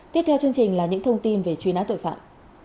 tiếp theo chương trình là những thông tin về truy nã tội phạm